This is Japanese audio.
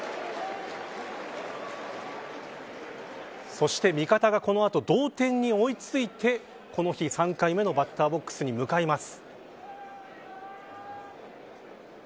そして味方がこの後同点に追い付いてこの日３回目のバッターボックスに向かいます。